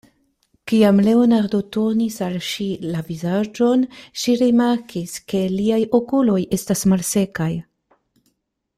Kiam Leonardo turnis al ŝi la vizaĝon, ŝi rimarkis, ke liaj okuloj estas malsekaj.